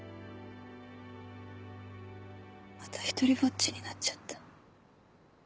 また独りぼっちになっちゃった。